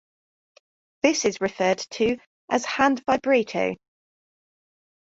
This is referred to as hand vibrato.